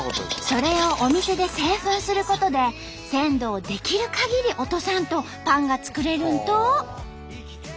それをお店で製粉することで鮮度をできるかぎり落とさんとパンが作れるんと！